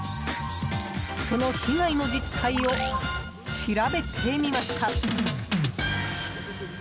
その被害の実態を調べてみました。